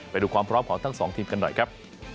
ไปดูความพร้อมของทั้งสองทีมกันหน่อยครับ